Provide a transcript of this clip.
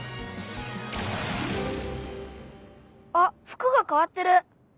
あ服がかわってる。